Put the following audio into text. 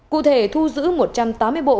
cụ thể thu giữ một trăm tám mươi bộ